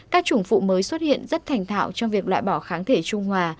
các chủng phụ mới xuất hiện rất thành thạo trong việc loại bỏ kháng thể trung hòa